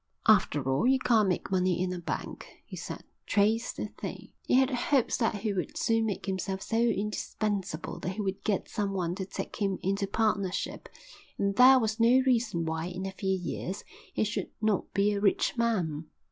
"After all, you can't make money in a bank," he said. "Trade's the thing." He had hopes that he would soon make himself so indispensable that he would get someone to take him into partnership, and there was no reason why in a few years he should not be a rich man.